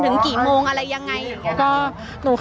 อย่างที่บอกไปว่าเรายังยึดในเรื่องของข้อ